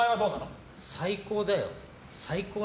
最高だよ。